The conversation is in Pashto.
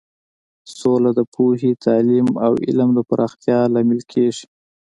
سوله د پوهې، تعلیم او علم د پراختیا لامل کیږي.